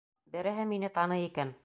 Береһе мине таный икән.